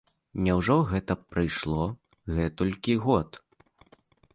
Няўжо гэта прайшло гэтулькі год?!